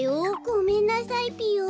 ごめんなさいぴよ。